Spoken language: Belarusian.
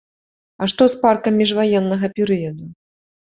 А што з паркам міжваеннага перыяду?